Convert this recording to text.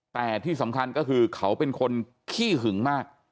แต่ที่สำคัญก็คือเขาเป็นคนขี้หึงมาก